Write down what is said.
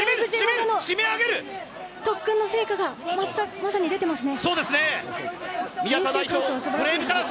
特訓の成果がまさに出てますね。